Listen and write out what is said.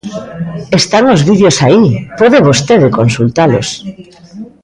Están os vídeos aí, pode vostede consultalos.